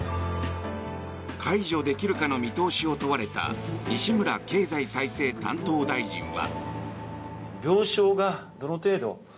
解除できるかの見通しを問われた西村経済再生担当大臣は。